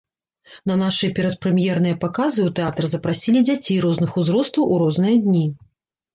На нашыя перадпрэм'ерныя паказы ў тэатр запрасілі дзяцей розных узростаў, у розныя дні.